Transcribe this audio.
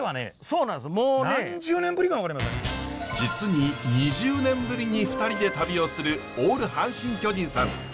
実に２０年ぶりに２人で旅をするオール阪神・巨人さん。